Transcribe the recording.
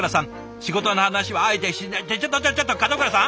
仕事の話はあえてしないちょちょっと門倉さん！